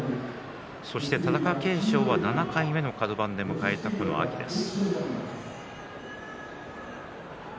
そして貴景勝は７回目のカド番で迎えたこの秋です。